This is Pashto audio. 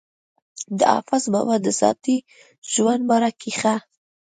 د حافظ بابا د ذاتي ژوند باره کښې